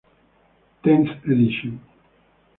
Tenth edition.